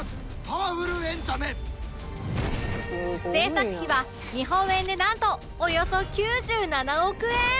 製作費は日本円でなんとおよそ９７億円